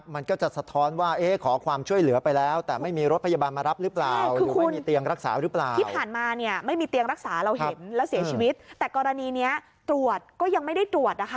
มันก็จะสะท้อนว่าขอความช่วยเหลือไปแล้ว